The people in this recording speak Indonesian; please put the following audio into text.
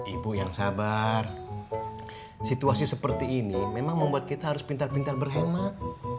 ibu yang sabar situasi seperti ini memang membuat kita harus pintar pintar berhemat